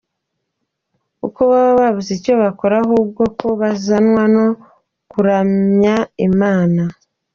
uko baba babuze icyo bakora ahubwo ko bazanwa no kuramya Imana.